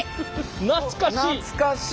懐かしい！